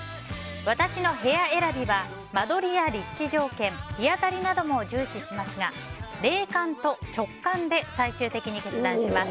私の部屋選びは間取りや立地条件日当たりなども重視しますが霊感と直感で最終的に決断します。